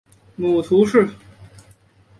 母屠氏。